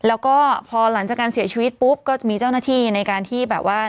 แล้วก็พอหลังจากการเสียชีวิตปุ๊บก็จะมีเจ้าหน้าที่ในการที่แบบว่า